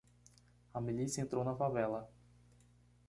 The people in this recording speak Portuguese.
A milícia entrou na favela.